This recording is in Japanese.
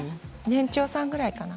年長さんぐらいかな？